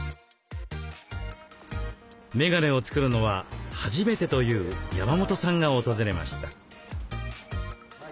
メガネを作るのは初めてという山本さんが訪れました。